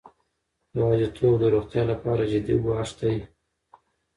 یوازیتوب د روغتیا لپاره جدي ګواښ دی.